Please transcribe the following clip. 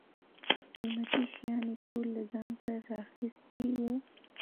قیمتي شیان یې ټول له ځان سره را اخیستي و.